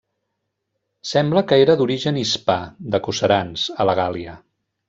Sembla que era d'origen hispà, de Coserans, a la Gàl·lia.